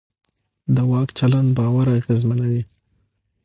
د واک چلند باور اغېزمنوي